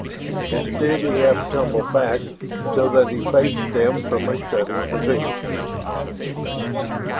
Instead he half tumbled back, so that he faced them from a sitting position.